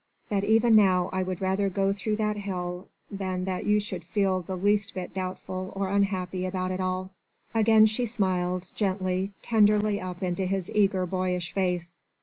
that even now I would rather go through that hell than that you should feel the least bit doubtful or unhappy about it all." Again she smiled, gently, tenderly up into his eager, boyish face.